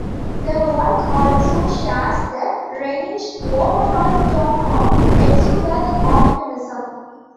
The work also shares the "Rhenish's" overall tone of exuberant optimism.